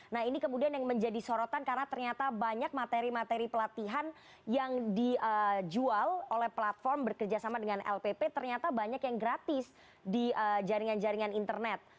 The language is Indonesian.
nah ini kemudian yang menjadi sorotan karena ternyata banyak materi materi pelatihan yang dijual oleh platform bekerjasama dengan lpp ternyata banyak yang gratis di jaringan jaringan internet